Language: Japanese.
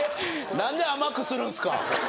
なんで甘くするんすか？